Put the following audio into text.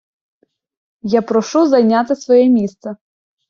я прошу зайняти своє місце!